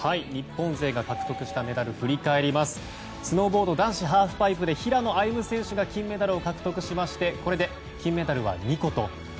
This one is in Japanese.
日本勢が獲得したメダルは日本スノーボード男子ハーフパイプで平野歩夢選手が金メダルを獲得しましてこれで金メダルは２個と。